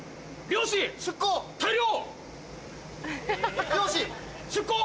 漁師！出港！